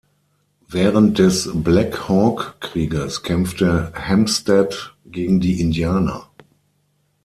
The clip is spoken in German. Während des Black-Hawk-Krieges kämpfte Hempstead gegen die Indianer.